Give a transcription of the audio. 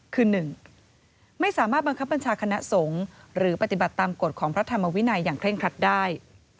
คือ๑ไม่สามารถบังคับบัญชาคณะสงฆ์หรือปฏิบัติตามกฎของพระธรรมวินัยอย่างเคร่งครัดได้